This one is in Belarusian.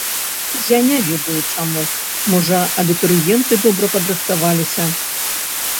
Я не ведаю, чаму, можа, абітурыенты добра падрыхтаваліся.